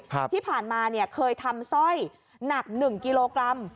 ที่ผ่านมาเนี่ยเคยทำสร้อยหนักหนึ่งกิโลกรัม